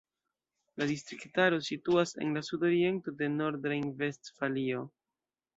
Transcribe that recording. La distriktaro situas en la sudoriento de Nordrejn-Vestfalio.